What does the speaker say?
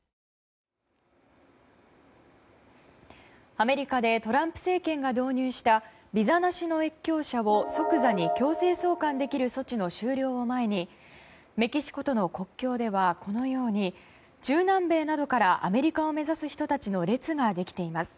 アメリカでトランプ政権が導入したビザなし越境者を即座に強制送還できる措置の終了を前にメキシコとの国境ではこのように、中南米などからアメリカを目指す人たちの列ができています。